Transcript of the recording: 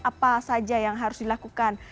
apa saja yang harus dilakukan